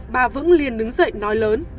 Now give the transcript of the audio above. bà vững liền đứng dậy nói lớn